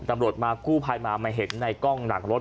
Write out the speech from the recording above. ตำรวจมากู้ภัยมามาเห็นในกล้องหลังรถ